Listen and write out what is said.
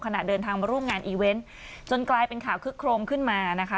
ขณะเดินทางมาร่วมงานอีเวนต์จนกลายเป็นข่าวคึกโครมขึ้นมานะคะ